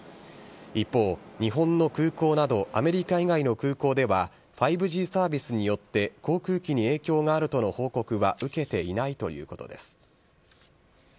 一方、日本の空港などアメリカ以外の空港では、５Ｇサービスによって航空機に影響があるとの報告は受けていないということです。